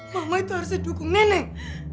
mama itu harusnya dukung nenek